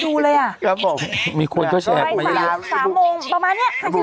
ดูเลยอ่ะครับผมมีคนก็แชกมาเยอะสามโมงประมาณเนี้ย